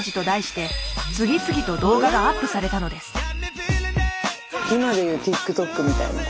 題して次々と動画がアップされたのです。